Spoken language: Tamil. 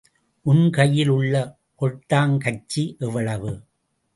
உன் கையில் உள்ள கொட்டாங்கச்சி எவ்வளவு!